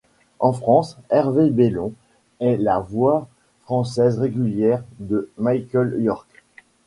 En France, Hervé Bellon est la voix française régulière de Michael York.